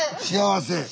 幸せ？